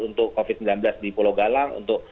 untuk covid sembilan belas di pulau galang untuk